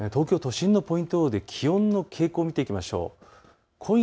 東京都心のポイント予報で気温の傾向を見ていきましょう。